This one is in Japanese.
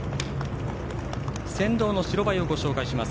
先導の白バイをご紹介します。